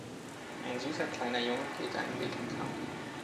Ein süßer kleiner Junge geht einen Weg entlang.